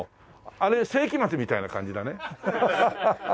あれ聖飢魔Ⅱみたいな感じだね。